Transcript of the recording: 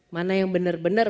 mana yang benar benar